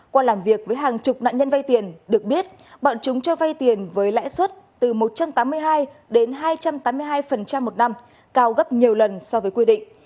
qua làm việc với hàng chục nạn nhân vay tiền được biết bọn chúng cho vay tiền với lãi suất từ một trăm tám mươi hai đến hai trăm tám mươi hai một năm cao gấp nhiều lần so với quy định